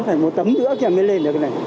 phải một tấm nữa thì mới lên được cái này